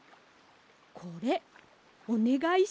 これおねがいします。